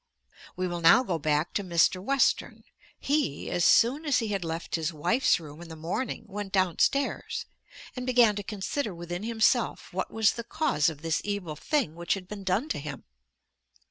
We will now go back to Mr. Western. He, as soon as he had left his wife's room in the morning went down stairs, and began to consider within himself what was the cause of this evil thing which had been done to him.